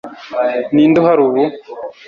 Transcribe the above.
Ninde uhari ubu